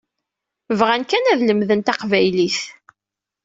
Bɣan kan ad lemden taqbaylit.